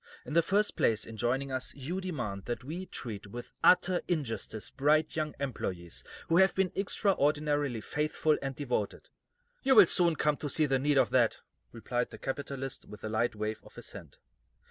In the first place, in joining us, you demand that we treat with utter injustice bright young employees who have been extraordinarily faithful and devoted." "You will soon come to see the need of that," replied the capitalist, with a light wave of his hand.